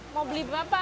mau beli berapa